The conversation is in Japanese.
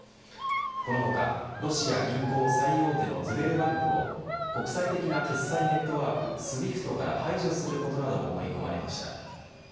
この他、ロシア銀行最大手のズベルバンクを国際的な決済ネットワークＳＷＩＦＴから排除することなども盛り込まれました。